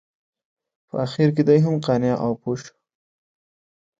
په اخره کې دی هم قانع او پوه شو.